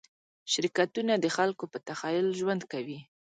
شرکتونه د خلکو په تخیل ژوند کوي.